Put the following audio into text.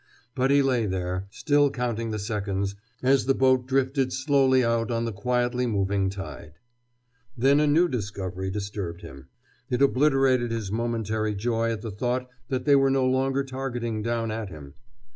But he lay there, still counting the seconds, as the boat drifted slowly out on the quietly moving tide. Then a new discovery disturbed him. It obliterated his momentary joy at the thought that they were no longer targeting down at him.